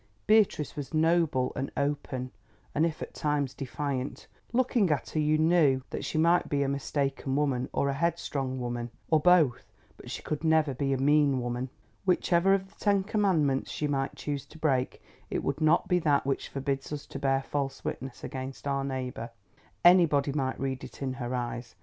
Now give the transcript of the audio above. Beatrice's was noble and open, if at times defiant. Looking at her you knew that she might be a mistaken woman, or a headstrong woman, or both, but she could never be a mean woman. Whichever of the ten commandments she might choose to break, it would not be that which forbids us to bear false witness against our neighbour. Anybody might read it in her eyes.